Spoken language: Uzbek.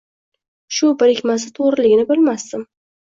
Shu birikmasi to‘g’riligini bilmasdim.